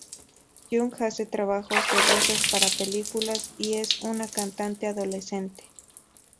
Young hace trabajos de voces para películas, y es una cantante adolescente.